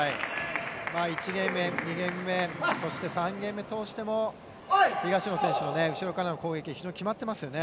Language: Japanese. １ゲーム目、２ゲーム目３ゲーム目を通しても東野選手の後ろからの攻撃非常に決まってますよね。